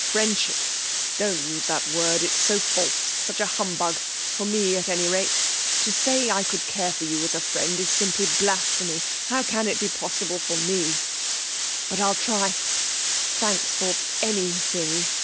'Friendship! Don't use that word. It's so false such humbug for me at any rate. To say I could care for you as a friend is simply blasphemy! How can it be possible for me? But I'll try. Thanks for _any_thing!